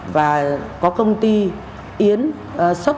và có công ty yến xuất